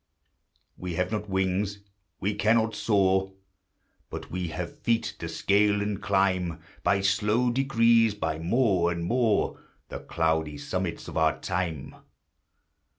We have not wings, we cannot soar ; But we have feet to scale and climb By slow degrees, by more and more, The cloudy summits of our time.